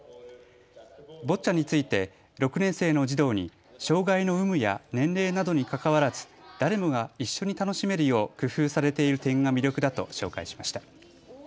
ボッチャについて６年生の児童に障害の有無や年齢などにかかわらず誰もが一緒に楽しめるよう工夫されている点が魅力だと紹介しました。